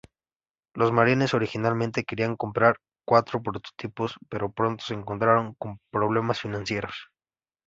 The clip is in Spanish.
Los "marines" originalmente querían comprar cuatro prototipos, pero pronto se encontraron con problemas financieros.